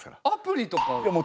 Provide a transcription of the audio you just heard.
アプリとか。